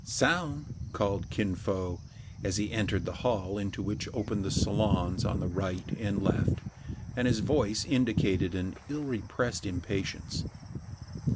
" Soun !" called Kin Fo, as he entered the hall into which opened the salons on the right and left ; and his voice indicated an ill repressed impatience.